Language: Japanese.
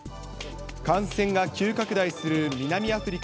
感染が急拡大する南アフリカ